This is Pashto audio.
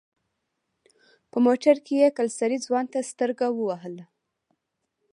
په موټر کې يې کلسري ځوان ته سترګه ووهله.